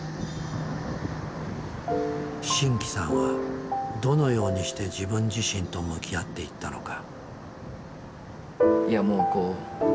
真気さんはどのようにして自分自身と向き合っていったのか。